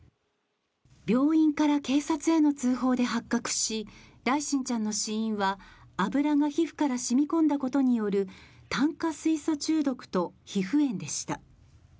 病院から警察への通報で発覚し、來心ちゃんの死因は油が皮膚から染み込んだことによる炭化水素中毒と皮膚炎でした。